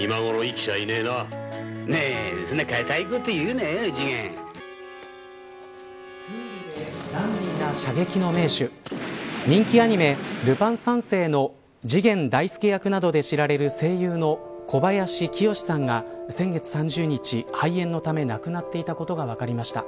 クールでダンディーな射撃の名手人気アニメ、ルパン三世の次元大介役などで知られる声優の小林清志さんが先月３０日肺炎のため亡くなっていたことが分かりました。